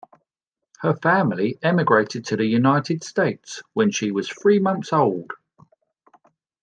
Her family emigrated to the United States when she was three months old.